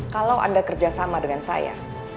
kalau anda kerja sama dengan saya